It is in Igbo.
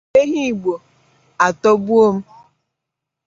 Ehi Igbo atọgbuo m